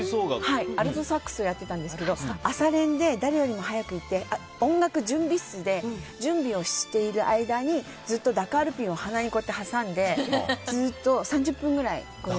アルトサックスをやってたんですけど、朝練で誰よりも早く行って音楽準備室で準備をしている間にずっとダカールピンを鼻に挟んで、ずっと３０分くらい。